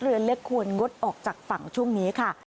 เรือเล็กควรงดออกจากฝั่งช่วงนี้ค่ะ